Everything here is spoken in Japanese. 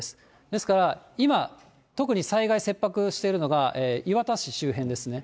ですから今、特に災害切迫しているのが、磐田市周辺ですね。